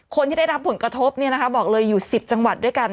คนที่ได้รับผลกระทบบอกเลยอยู่๑๐จังหวัดด้วยกัน